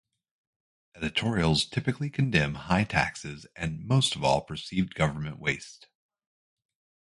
Editorials typically condemn high taxes and, most of all, perceived government waste.